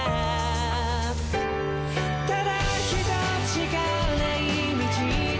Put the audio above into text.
「ただ一つしかない道で」